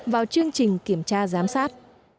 vào chương trình kiểm tra giám sát